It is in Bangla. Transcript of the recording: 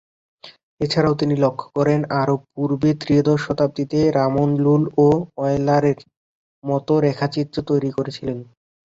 এছাড়াও তিনি লক্ষ্য করেন, আরও পূর্বে-ত্রয়োদশ শতাব্দিতে রামন লুল-ও অয়লারের মত রেখাচিত্র তৈরি করেছিলেন।